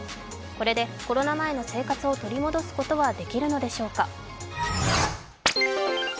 これでコロナ前の生活を取り戻すことはできるのでしょうか。